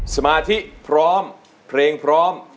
สมาธิพร้อมเพลงพร้อม